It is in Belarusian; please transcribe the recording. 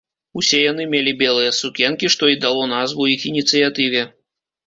Усе яны мелі белыя сукенкі, што і дало назву іх ініцыятыве.